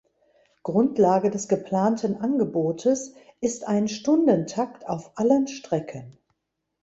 Grundlage des geplanten Angebotes ist ein Stundentakt auf allen Strecken.